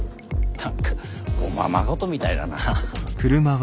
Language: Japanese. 何かおままごとみたいだな。